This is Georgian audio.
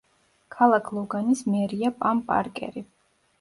ქალაქ ლოგანის მერია პამ პარკერი.